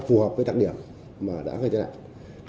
phù hợp với đặc điểm mà đã gây tai nạn